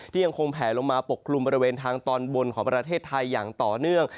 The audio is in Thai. ยังคงแผลลงมาปกกลุ่มบริเวณทางตอนบนของประเทศไทยอย่างต่อเนื่อง